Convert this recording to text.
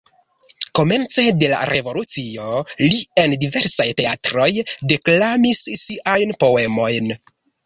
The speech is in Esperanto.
Komence de la revolucio li en diversaj teatroj deklamis siajn poemojn.